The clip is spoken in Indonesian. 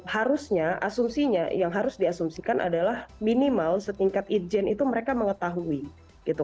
harusnya asumsinya yang harus diasumsikan adalah minimal setingkat itjen itu mereka mengetahui gitu